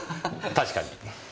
確かに。